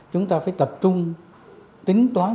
chúng ta phải tập trung tính toán